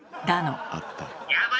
だの。